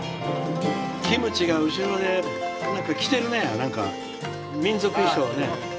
キムチが後ろで何か着てるね民族衣装をね。